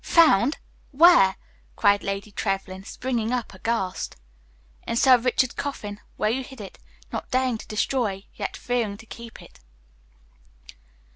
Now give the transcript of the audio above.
"Found! Where?" cried Lady Trevlyn, springing up aghast. "In Sir Richard's coffin, where you hid it, not daring to destroy, yet fearing to keep it."